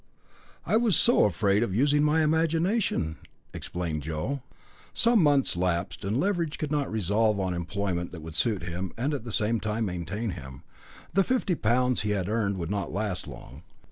"I was so afraid of using my imagination," explained Joe. Some months elapsed, and Leveridge could not resolve on an employment that would suit him and at the same time maintain him. The fifty pounds he had earned would not last long.